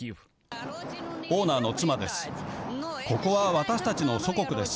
オーナーの妻です。